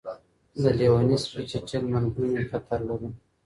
د لېوني سپي چیچل مرګونی خطر لري.